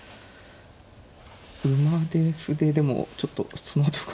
馬で歩ででもちょっとそのあとが。